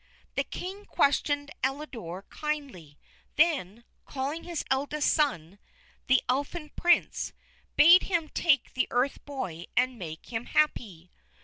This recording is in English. The King questioned Elidore kindly, then, calling his eldest son, the Elfin Prince, bade him take the earth boy and make him happy.